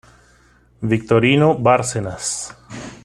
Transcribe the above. Victorino Bárcenas.